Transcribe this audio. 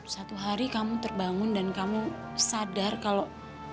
satu hari kamu terbangun dan kamu sadar kalau